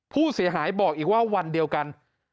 ผู้เสียหายบอกอีกว่าวันเดียวกัน